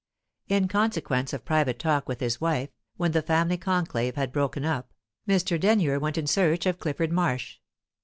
In consequence of private talk with his wife, when the family conclave had broken up, Mr. Denyer went in search of Clifford Marsh.